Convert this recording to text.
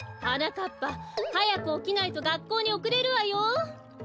はなかっぱはやくおきないとがっこうにおくれるわよ。